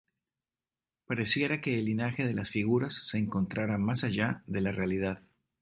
Pareciera que el linaje de las figuras se encontrara más allá de la realidad.